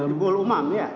tutibul imam ya